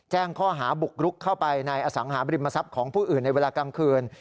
แจ้งข้อหาบุกรุกเข้าไปในอสังหาบริมทรัพย์ของผู้อื่นในเวลากลางคืน